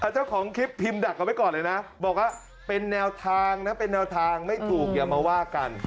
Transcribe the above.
เจ้าของคลิปพิมพ์ดักเอาไว้ก่อนเลยนะบอกว่าเป็นแนวทางนะเป็นแนวทางไม่ถูกอย่ามาว่ากัน